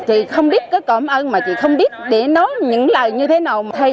chị không biết cái cảm ơn mà chị không biết để nói những lời như thế nào